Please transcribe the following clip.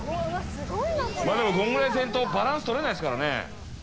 でも、このくらいしないとバランスとれないですからね。